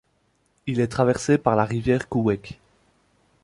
Il est traversé par la rivière Qouweiq.